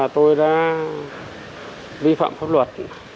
tôi đã vi phạm pháp luật